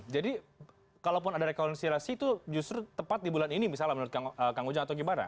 jadi kalaupun ada rekonseliasi itu justru tepat di bulan ini misalnya menurut kang ujang atau gibara